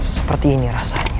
seperti ini rasanya